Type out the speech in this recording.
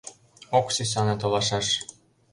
Ок сӱсане толашаш».